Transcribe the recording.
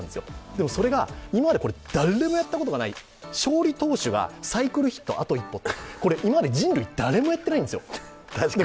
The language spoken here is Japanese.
でもそれが、今まで誰もやったことがない勝利投手がサイクルヒットあと一歩、これ、今まで人類、誰もやってないんですよ。